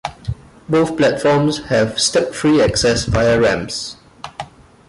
Both platforms have step-free access via ramps.